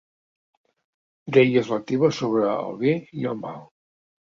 Deies la teva sobre el bé i el mal.